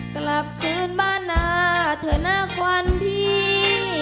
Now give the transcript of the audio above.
กลับคืนบ้านหน้าเถอะนะควันที่